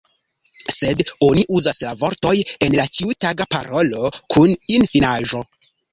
Sed oni uzas la vortoj en la ĉiutaga parolo kun -in-finaĵo.